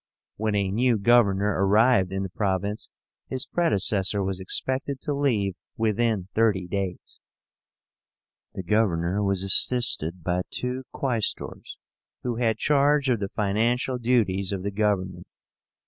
When a new governor arrived in the province, his predecessor was expected to leave within thirty days. The governor was assisted by two QUAESTORS, who had charge of the financial duties of the government.